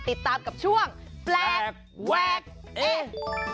ติดตามกับช่วงแปลกแวกเอ